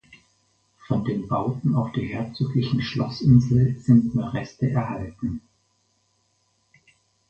Von den Bauten auf der herzoglichen Schlossinsel sind nur Reste erhalten.